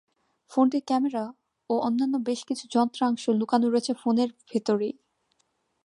ফোনটির ক্যামেরা ও অন্যান্য বেশ কিছু যন্ত্রাংশ লুকানো রয়েছে ফোনের ভেতরেই।